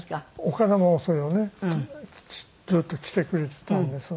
岡田もそれをねずっと来てくれてたんですね。